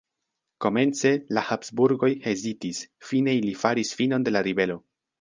Komence la Habsburgoj hezitis, fine ili faris finon de la ribelo.